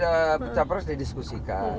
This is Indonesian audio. ya capres didiskusikan